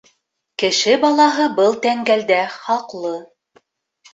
— Кеше балаһы был тәңгәлдә хаҡлы.